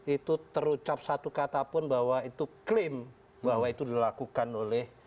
itu terucap satu kata pun bahwa itu klaim bahwa itu dilakukan oleh